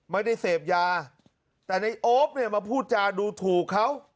ไม่ได้เสพยาแต่ในโอ๊ปเนี่ยมาพูดจาดูถูกเขา